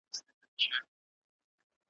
او په دواړو یې له مځکي را ویشتل وه .